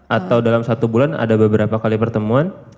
atau dalam satu bulan ada beberapa kali pertemuan